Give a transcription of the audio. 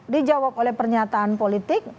dijawab oleh pernyataan politik